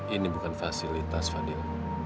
ini bukan fasilitas fadil